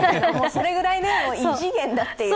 それぐらい異次元だという。